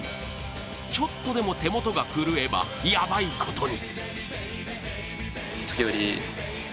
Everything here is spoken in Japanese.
ちょっとでも手元が狂えばやばいことに。